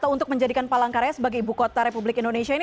untuk menjadikan palangkaraya sebagai ibu kota republik indonesia ini